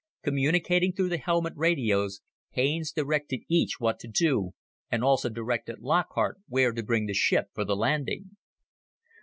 Communicating through the helmet radios, Haines directed each what to do, and also directed Lockhart where to bring the ship for the landing.